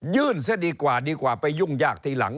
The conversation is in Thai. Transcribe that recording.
ยื่นเสียดีกว่าดีกว่าไปยุ่งยากทีหลัง